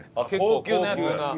高級なやつ。